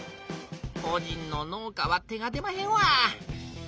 こじんの農家は手が出まへんわ。